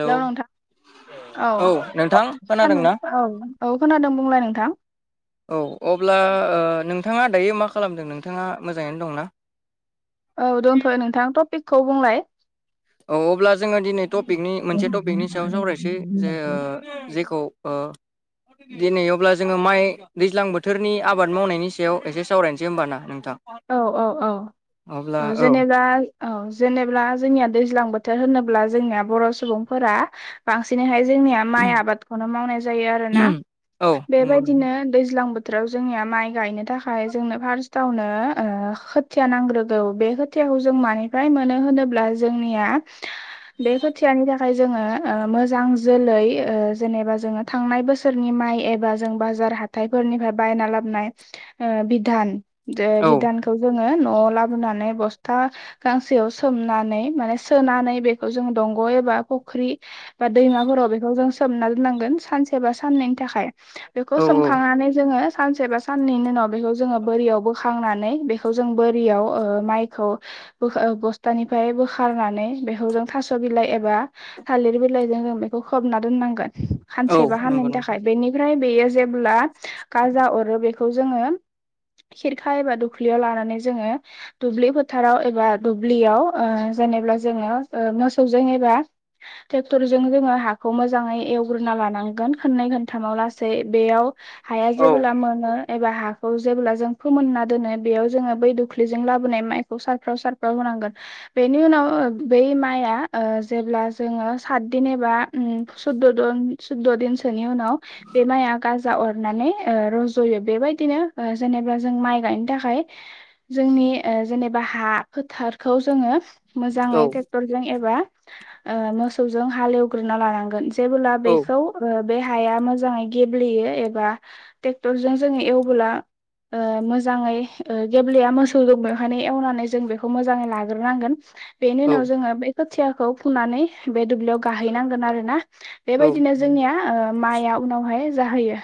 Hello नोंथां। औ नोंथां खोनादों खोनादोंना औ औ खोनादों बुंलाय नोंथां। औ अब्ला नोंथाङा दायो मा खालामदों नोंथाङा मोजाङैयैनो दंना? औ दंथ'यो नोंथां टपिकखौ बुंलाय। औ अब्ला जोङो दिनै टपिकनि मोनसे टपिकनि सायाव सावरायसै जे ओ जेखौ ओ दिनै अब्ला जोङो माइ दैज्लां बोथोरनि आबाद मावनायनि सायाव एसे सावरायनोसै होमबा ना नोंथां? औ औ औ औ जेनेबा औ जेनेबा जोंनिया दैज्लां बोथोर होनोब्ला जोंनिया बर' सुबुंफोरा बांसिनैहाय जोंनिया माइ आबादखौनो मावनाय जायो आरोना औ नंगौ बेबायदिनो दैज्लां बोथोराव जोंनिया माइ गायनो थाखाय जोंनो फार्स्टावनो ओ खोथिया नांग्रोगौ बे खोथियाखौ जों मानिफ्राय मोनो होनोब्ला जोंनिया बे खोथियानि थाखाय जोङो ओ मोजां जोलै ओ जेनेबा जोङो थांनाय बोसोरनि माइ एबा जों बाजार हाथाइफोरनिफ्राय बायना लाबोनाय ओ बिधान ओ औ बिधानखौ जोङो न'आव लाबोनानै बस्था गांसेयाव सोमनानै माने सोनानै बेखौ जों दंग' एबा फुख्रि बा दैमाफोराव बेखौ जों सोमना दोननांगोन सानसे बा साननैनि थाखाय। बेखौ औ औ सोमखांनानै जोङो सानसे बा साननैनि उनाव बेखौ जोङो बोरियाव बोखांनानै बेखौ जों बोरियाव ओ माइखौ बोखो बस्थानिफ्राय बोखारनानै बेखौ जों थास' बिलाइ एबा थालिर बिलाइजों जों बेखौ खबना दोननांगोन औ सानसेबा नंगौ साननैनि नोंथां थाखाय बेनि ओमफ्राय बेयो जेब्ला गाजा अरो बेखौ जोङो खिरखा एबा दो ख्लियाव लानानै जोङो दुब्लि फोथाराव एबा दुब्लियाव ओ जेनेबा जोङो ओ मोसौजों एबा ट्रेक्टरजों जोङो हाखौ मोजाङै एवग्रोना लानांगोन खोननै खोनथामाव लासै बेयाव हाया औ जेबोब्ला मोनो एबा हाखौ जेब्ला जों फोमोनना दोनो बेयाव जोङो बै दुख्लिजों लाबोनाय माइखौ सारफ्राव सारफ्राव होनांगोन बेनि ओ उनाव बै माइया ओ जेब्ला जोङो सातदिन एबा उम सुद्द'दन सुद्द'दिनसोनि उनाव बे माइया गाजा अरनानै ओ रज'यो बेबायदिनो ओ जेनेबा जों माइ गायनो थाखा खाय जोंनि ओ जेनेबा हा फोथारखौ जोङो औ मोजाङै टे क्टरजों एबा ओ मोसौजों हालेवग्रोना लानांगोन जेबोब्ला औ बेखौ ओ बे हाया मोजाङै गेब्लेयो एबा ट्रेक्टरजों जोङो एवबोला ओ मोजाङै ओ गेब्लेया मोसौजों बेवहायनो एवनानै जों बेखौ मोजाङै लाग्रोनांगोन बेनि औ उनाव जोङो खोथियाखौ फुनानै बे दुब्लियाव गाहैनांगोन आरो ना बेबायदिनो जोंनिया ओ माइया उनावहाय जाहैयो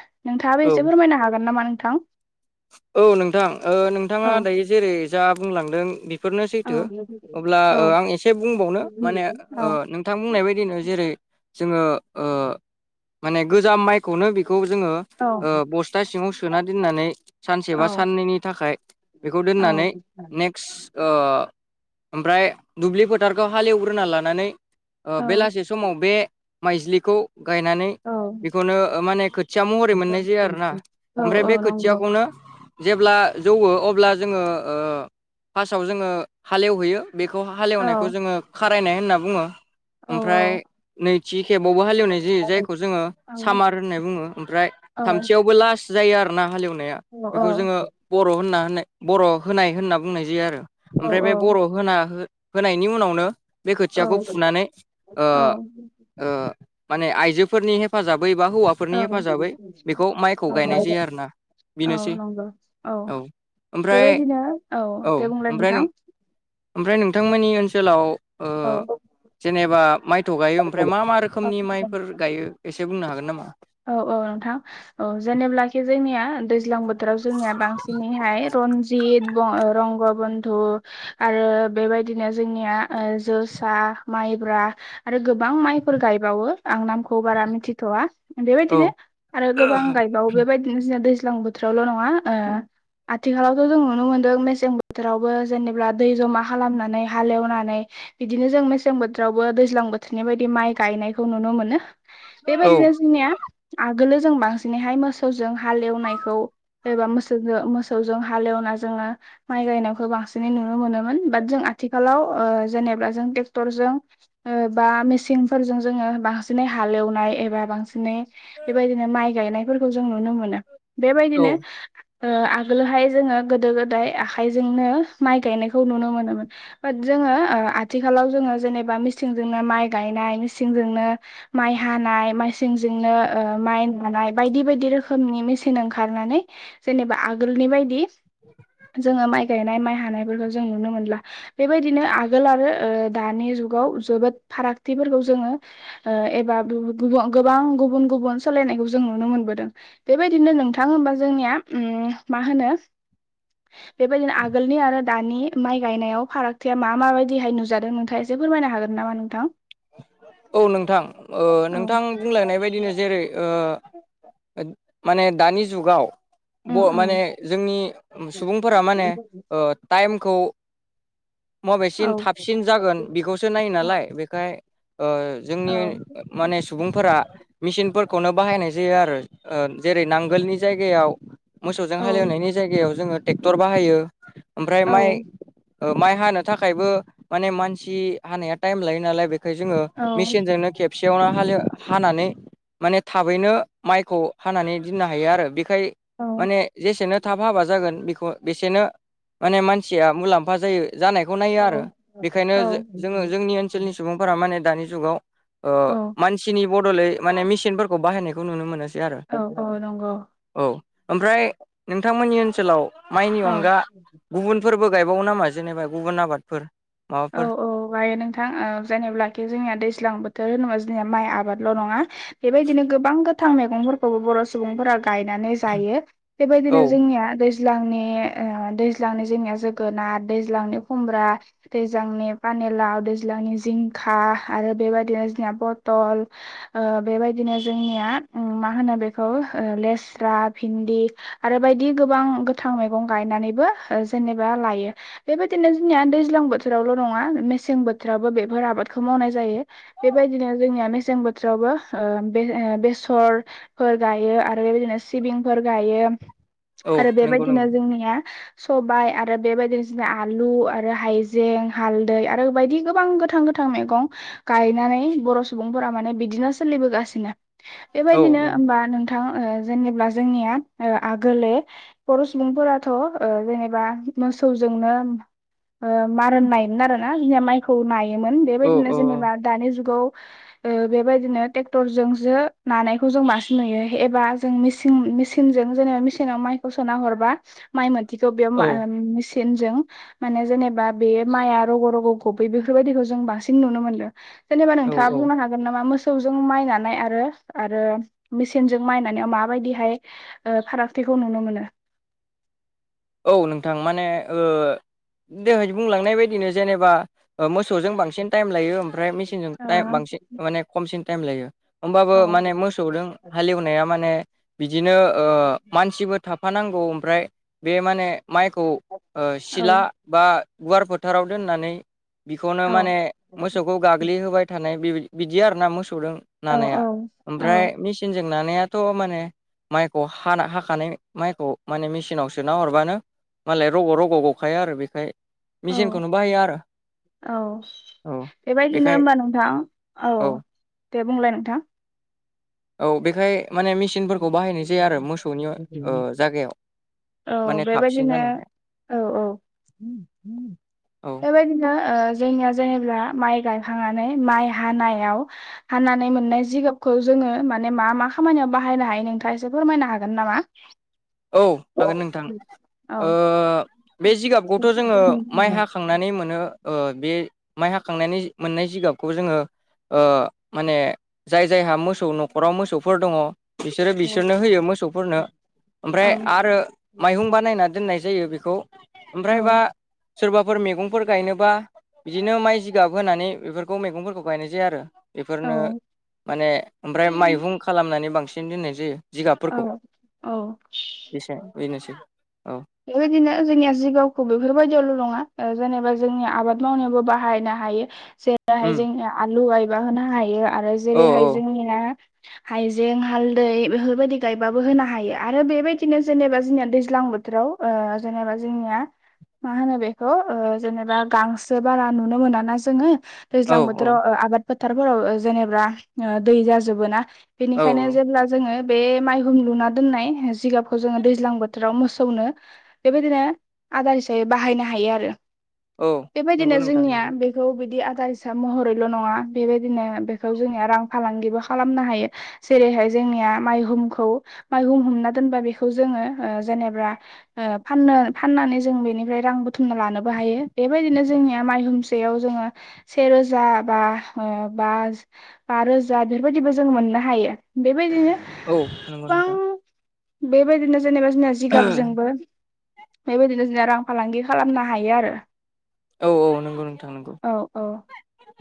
औ नोंथाङाबो औ एसे फोरमायनो हागोन नामा नोंथां? औ नोंथां ओ नोंथाङा औ दायो जेरै जा बुंलांदों बेफोरनो औ सैथो अब्ला ओ औ आं एसे बुंबावनो माने औ ओ नों थां बुंनाय बायदिनो जेरै जोङो ओ माने गोजाम माइखौनो बेखौ जोङो औ ओ बस्था सिङाव सोना दोननानै औ सेबा साननैनि थाखाय बेखौ दोननानै ने [unintelligible] ओ ओमफ्राय दुब्लि फोथारखौ हालेवग्रोना लानानै ओ औ बेलासे समाव बे माइज्लिखौ गायनानै औ बेखौनो ओ माने खोथिया महरै मोननाय जायो आरोना औ ओमफ्राय औ बे नंगौ खोथियाखौनो जेब्ला जौवो अब्ला जोङो ओ फार्स्टआव जोङो हालेवहैयो। बेखौ हालेवनायखौ औ जोङो खारायनाय होनना बुङो औ ओमफ्राय नैथि खेबावबो हालेवनाय जायो जायखौ जोङो औ सामार होननाय बुङो ओमफ्राय औ थामथियावबो लास्ट जायो आर ना हालेवनाया औ बेखौ जोङो बर' होनना होननाय बर' होनाय होनना बुंनाय जायो आरो। औ ओमफ्राय बे औ बर' होना हो-होनायनि उनावनो बे खोथियाखौ फुनानै ओ ओ माने आइजोफोरनि हेफाजाबै एबा हौवा फोरनि हेफाजाबै बेखौ माइखौ औ गायनाय जायो आरो ना औ बेनोसै। नंगौ औ ओमफ्राय बेबायदिनो औ दे बुंलाय ओमफ्राय नोंथां नों ओमफ्राय नोंथांमोननि ओनसोलाव ओ औ [unintelligible] जेनेबा माइथ' गायो ओमफ्राय मा मा रोखोमनि औ माइफोर गायो एसे बुंनो हागोन नामा? औ औ नोंथां औ जेनेबब्लाखि जोंनिया दै ज्लां बोथोराव जोंनिया बांसिनैहाय रनजित रंग [unintelligible] थ' आरो बेबायदिनो जोंनिया जोसा माइब्रा आरो गोबां माइफोर गायबावो आं नामखौ बारा मिथिथ'वा औ बेबायदिनो आरो गोबां गायबावो बेबायदिनो जोंना दैज्लां बोथोरावल' नङा ओ आथिखालावथ' जों नुनो मोन्दों मेसें बोथोरावबो जेनेब्ला दै जमा खालामनानै हालेवनानै बिदिनो जों मेसें बोथोरावबो दैज्लां बोथोरनि बायदि माइ गायनायखौ नुनो मोनो औ बेबायदिनो जोंनिया आगोलो जों बांसिनैहाय मोसौजों हालेवनायखौ एबा मोसौजो मोसौजों हालेवना जोङो माइ गायनायखौ बांसिनै नुनो मोनोमोन बाट जों आथिखालाव ओ जेनेब्ला जों ट्रेक्टरजों ओ बा मेसिंफोरजों जोङो बांसिनै हालेवनाय एबा बांसिन नै बेबायदिनो माइ गायनायफोरखौ जों नुनो मोनो औ बेबायदिनो आगोलहाय जोङो गोदो गोदाय आखाइजोंनो माइ गायनायखौ नुनो मोनोमोन। बाट जोङो ओ आथिखालाव जोङो जेनेबा मिसिजोंनो माइ गायनाय मिसिंजोंनो माइ हानाय माइ सिंजोंनो ओ माइन मानाय बायदि बायदि रोखोमनि मेसिन ओंखारनानै जेनेबा आगोलनि बायदि जोङो माइ गायनाय माइ हानायफोरखौ जों नुनो मोनला। बेबायदिनो आगोल आरो ओ दानि जुगाव जोबोद फारागथिफोरखौ जोङो ओ एबा [unintelligible] गोबां गुबुन गुबुन सोलायनायखौ जों नुनो मोनबोदों। बेबायदिनो नोंथां होनबा जोंनिया उम मा होनो बेबायदिनो आगोलनि आरो दानि माइ गायनायाव फारागथिया मा माबायदिहाय नुजादों नोंथाङा एसे फोरमायनो हागोन नामा नोंथां? औ नोंथां ओ औ नोंथां बुंलायनाय बायदिनो जेरै ओ माने दानि जुगाव औ [unintelligible] माने जोंनि सुबुंफोरा माने ओ टाइमखौ मबेसिन औ थाबसिन जागोन बेखौसो नायो नालाय बे खाय ओ औ जोंनि माने सुबुंफोरा मेसिनफोरखौनो बाहायनाय जायो आरो ओ जेरै नांगोलनि जायगायाव मोसौजों औ हालेवनायनि जायगायाव जोङो ट्रेक्टर बाहायो ओमफ्राय औ माइ माइ हानो थाखायबो माने मानसि हानाया टाइम लायो नालाय बे खाय जोङो औ मेसिनजोंनो खेबसेयावनो हालेव हानानै माने थाबैनो माइखौ हानानै दिननो हायो आरो बेखाय माने जेसेनो थाब हाबा जागोन बेखौ बेसेनो माने मानसिया मुलाम्फा जायो। जानायखौ नायो आरो बेखायनो औ जो-जोङो जोंनि ओन सोलनि सुबुंफोरा माने दानि जुगाव मानसिनि बड'लै माने मिसिनफोरखौ बाहायनायखौ नुनो मोनोसै आरो औ औ नंगौ औ ओमफ्राय नोंथांमोननि ओनसोलाव माइनि औ अनगा गुबुनफोरबो गायबावो नामा जेनेबा गुबुन आबादफोर? औ माबाफोर औ गायो नोंथां ओ जेनेबब्लाखि जोंनिया दैज्लां बोथोर होनोबा जोंनिया माइ आबादल' नंङा बेबायदिनो गोबां गोथां मैगंफोरखौबो बर' सुबुंफोरा गायनानै जायो औ बेबायदिनो जोंनिया दैज्लांनि ओ दैज्लांनि जोंनिया जोगोनाद दैज्लांनि खुमब्रा दैज्लांनि पानिलाव दैज्लांनि जिंखा आरो बेबायदिनो जोंना बथल ओ बेबायदिनो जोंनिया उम मा होनो बेखौ ओ लेस्रा भिन्दि आरो बायदि गोबां गोथां मैगं गायनानैबो जेनेबा लायो बेबायदिनो जोंनिया दैज्लां बोथोरावल' नंङा मेसें बोथोरावबो बेफोर आबादखौ मावनाय जायो। बेबायदिनो जोंनिया मेसें बोथोरावबो ओ बे-बेसर फोर गायो आरो बेबायदिनो सिबिंफोर गायो औ आरो नंगौ बेबायदिनो नंगौ जोंनिया सबाइ आरो बेबायदिनो जोंनि आलु आरो हायजें जें हालदै आरो बायदि गोबां गोथां गोथां मैगं गायनानै बर' सुबुंफोरा माने बिदिनो सोलिबोगासिनो औ बेबायदिनो होमबा नोंथां थां ओ जेनेबला जोंनिया ओ आगोलोे बर' सुबुंफोराथ' ओ जेनेबा मोसौजोंनो मारन नायोमोन आरो ना जोंनिया माइखौ नायोमोन औ बेबायदिनो औ जेनेबा दानि जुगाव ओ बेबायदिनो ट्रेक्टर जोंसो नानायखौ जों बांसिन नुयो एबा जों मेचिं-मिचिंजों जेनेबा मेचिनाव माइखौ सोना हरबा माइ मोथिखौ बेयाव मा औ ओ मेचिनजों माने जेनेबा बे माइआ रग' रग' गबै बेफोरबायदिखौ जों बांसिन नुनो मोनदों जेनेबा नोंथांङा औ औ बुंनो हाग गोन नामा मोसौजों मायनानाय आरो आरो मेचिनजों मायनानायाव माबायदिहाय ओ फारागथिखौ नुनो मोनो औ नोंथां माने ओ दोहाय बुंलांनाय बायदिनो जेनेबा ओ मोसौजों बांसिन टाइम लायो ओमफ्राय मेसिनजों औ बांसिन माने खमसिन टाइम लायो। होमबाबो औ माने मोसौदों हालेवनाया माने बिदिनो ओ मानसिबो थाफानांगौ ओमफ्राय बे माने माइखौ ओ औ सिला बा गुवार फोथाराव दोननानै बिखौनो माने औ मोसौ खौ गाग्लि होबाय थानाय बिबा बिदि आरोना मोसौदों औ नानाया औ ओमफ्राय मिचिन चिनजों नानायाथ' माने माइखौ हाना हाखानाय माइखौ माने मेचिनावसो सोना हरबानो मालाय रग' रग' गखायो आरो बेखाय औ मेचिनखौनो बाहायो आरो औ औ बेबायदिनो बेखाय होनबा नोंथां औ दे बुंलाय नोंथां औ बेखाय माने मेसिनफोरखौ बाहायनाय जाया आरो मोसौनि ओ जागायाव औ माने थाबसिन बेबायदिनो जानायखाय औ औ औ बेबायदिनो ओ जोंनिया जेनेबा माइ गायखांनानै माइ हानायाव हाननानै मोननाय जिगाबखौ जोंङो माने मा मा खामानियाव बाहायनो हायो नोंथांङा एसे फोरमायनो हागोन नामा? औ हागोन नोंथां औ ओ बे जिगाबखौथ' जोंङो माइ हा हाखांनानै मोनो ओ बे माइ हाखांनानै मोननाय जिगाबखौ जोंङो ओ माने जाय जायहा मोसौ न'खराव मोसौफोर दंङ बिसोरो बिसोरनो होयो मोसौफोरनो औ ओमफ्राय आरो माइहुं बानायना दोननाय जायो बेखौ औ ओमफ्रायबा सोरबाफोर मैगंफोर गायनोबा बिदिनो माइ जिगाब होनानै बेफोरखौ मैगंफोरखौ गायनाय जायो आरो। बेफोरनो औ माने ओमफ्राय माइहुं खालामनानै बांसिन दोननाय जायो जिगाबफोरखौ औ औ बेसां बेनोसै औ बेबायदिनो जोंनिया जिगाबखौ बेफोरबायदियावल' नंङा जेनेबा जोंनि आबाद मावनायावाबबो बाहायनो हायो। जेरैहाय उम जोंनिया आलु गायबा होनो हायो आरो औ जेरैहाय जोंनिया हाइजें, हालदै बेफोरबायदि गायबाबो होनो हायो आरो बेबायदिनो जेनेबा जोंनिया दैज्लां बो थोराव ओ जेनेबा जोंनिया मा होनो बेखौ ओ जेनेबा गांसो बारा नुनो मोनाना जोङो औ दैज्लां बोथोराव आबाद फोथारफोराव जेनेबा दै जाजोबोना। औ बेनिखायनो जेब्ला जोङो बे माइहुम लुना दोननाय जिगाबखौ जोङो दैज्लां बोथोराव मोस खौनो बेबायदिनो आदार हिसाबै बाहायनो हायो आरो। औ नंगौ बेबायदिनो नोंथां जोंनिया नंगौ बे बेखौ बिदि आदार हिसाब महरैल' नंङा बेबायदिनो बेखौ जोंनिया रां फालांगिबो खालामनो हायो। जेरैहाय जोंनिया माइहुमखौ माइहुम हुमना दोनबा बेखौ जोंङो ओ जेनेबला ओ फाननो फाननानै जों बेनिफ्राय रां बुथुमना लानोबो हायो बेबायदिनो जोंनिया माइहुम बेयाव जोंङो सेे रोजा बा ओ बा बा रोजा बेफोरबायदिबो जों मोननो हायो। बेबायदिनो औ नंगौ गोबां नोंथां। बेबायदिनो जेनेबा जोंना जिगाबजों बेबायदिनो जोंना रां फालांगि खालामनो हायो आरो। औ औ नंगौ नोंथां नंगौ औ औ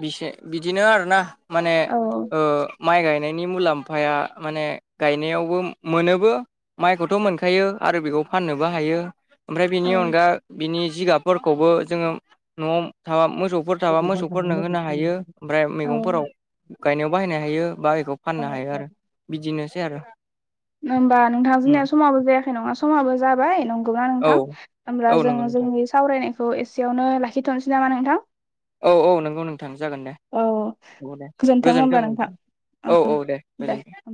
बि बिदिनो आरोना। माने औ ओ माइ गाय बिनि मुलाम्फाया माने गायनायावबो मोनोबो माइखौथ' मोनखायो आरो बेखौ फाननोबो हायो। ओमफ्राय औ बिनि अनगा बिनि जिगाबफोरखौबो जोङो न'आव थाबा मोसौफोर सोरहाबा मोसौफोरनो होनो हायो। ओमफ्राय औ मैगंफोराव गायनायाव बाहायनो हायो बा बेखौ औ फाननो हायो आरो। बिदिनोसै आरो। होमबा नोंथां उम जोंनिया समाबो जायाखै नङा समाबो जाबाय। अब्ला औ नोंथां होमब्ला औ जों नंगौ नोंथां जोंनि सावरायनायखौ एसेयावनो लाखिथ'नोसै नामा नोंथां? औ औ नोंगौ नोंथां जागोन दे। औ। औ दे गोजोनथों होमबा गोजोन्थों नोंथां औ औ दे गोजोनथों।